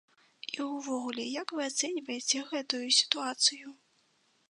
І ўвогуле як вы ацэньваеце гэтую сітуацыю?